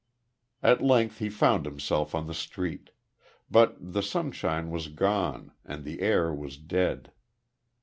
At length he found himself on the street. But the sunshine was gone, and the air was dead....